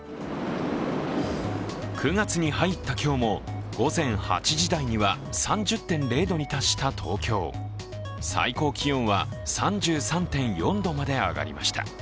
９月に入った今日も午前８時台には３０．０度に達した東京、最高気温は３３．４度まで上がりました。